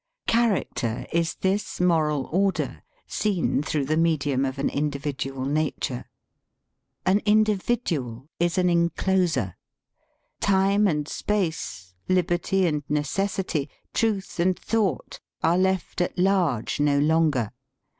Character is this moral order seen through the medium of an individual nature. An individual 104 THE ESSAY is an encloser. Time and space, liberty and necessity, truth and thought, are left at large no longer.